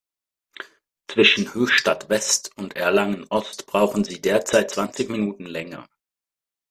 Zwischen Höchstadt-West und Erlangen-Ost brauchen Sie derzeit zwanzig Minuten länger.